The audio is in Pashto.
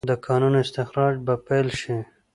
د کانونو استخراج به پیل شي؟